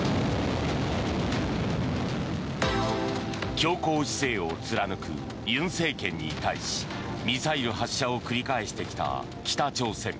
強硬姿勢を貫く尹政権に対しミサイル発射を繰り返してきた北朝鮮。